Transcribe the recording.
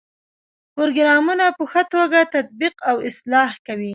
پروګرامونه په ښه توګه تطبیق او اصلاح کوي.